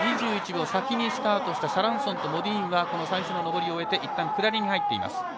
２１秒先にスタートしたシャランソンとモディーンは、最初の上りを終えいったんくだりに入っています。